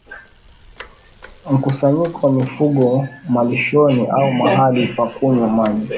Mkusanyiko wa mifugo malishoni au mahali pa kunywa maji